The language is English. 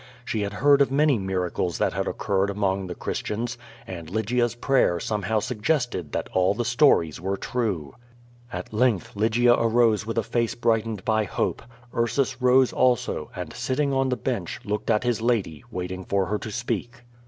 She had heard of many miracles that had occurred among the Christians, and Lygia^s prayer somehow suggested that all the stories were true. At length Lygia arose with a face briglitened by hope. Ursus rose also, and, sitting on the bench, looked at his lady, waiting for her to speak.